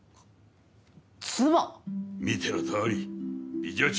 見てのとおり美女中の美女だ。